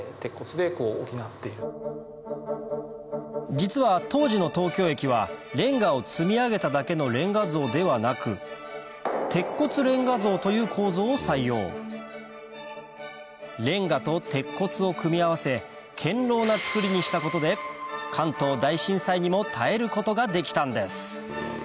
実は当時の東京駅はれんがを積み上げただけのれんが造ではなくという構造を採用れんがと鉄骨を組み合わせ堅牢な造りにしたことで関東大震災にも耐えることができたんです